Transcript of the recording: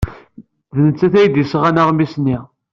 D nettat ay d-yesɣan aɣmis-nni.